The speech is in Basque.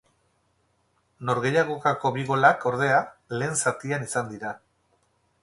Norgehiagokako bi golak, ordea, lehen zatian izan dira.